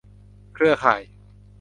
เครือข่าย